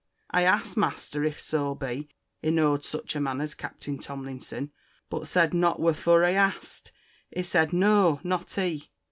I axed master, if soe bee he knowed sitch a man as one Captain Tomlinson? but said not whirfor I axed. He sed, No, not he.